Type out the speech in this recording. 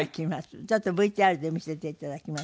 ちょっとＶＴＲで見せていただきますね。